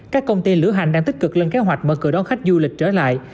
các công ty lửa hành đang tích cực lên kế hoạch mở cửa đón khách du lịch trở lại